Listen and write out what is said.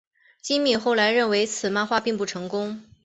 今敏后来认为此漫画并不成功。